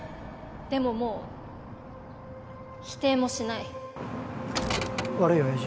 でももう否定もしない悪い親爺